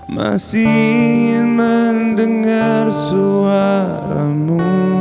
masih ingin mendengar suaramu